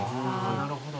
・なるほど。